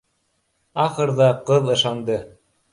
Ахырҙа ҡыҙ ышанды